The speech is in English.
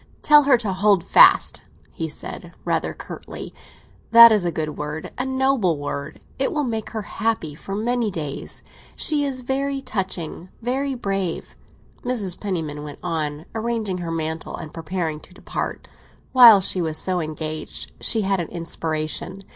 "Tell her to hold fast," he said rather curtly. "That is a good word—a noble word. It will make her happy for many days. She is very touching, very brave," Mrs. Penniman went on, arranging her mantle and preparing to depart. While she was so engaged she had an inspiration.